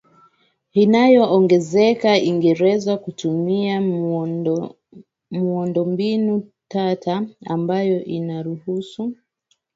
inayoongezeka Uingereza hutumia miundombinu tata ambayo inaruhusu